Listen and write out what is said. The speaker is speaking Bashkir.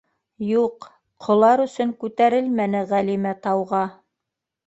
Юҡ, ҡолар өсөн күтәрелмәне Ғәлимә тауға!